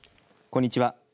こんにちは。